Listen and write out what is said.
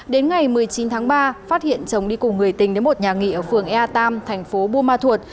đến ngày một mươi chín tháng ba phát hiện chồng đi cùng người tình đến một nhà nghỉ ở phường ea tam tp bua ma thuột